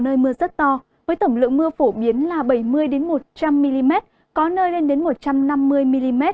nơi mưa rất to trong hôm nay và ngày mai